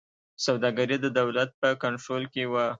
سوداګري د دولت په کنټرول کې وه.